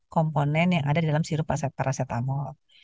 komponen yang ada di dalam sirup paracetamol